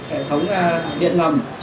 hệ thống điện ngầm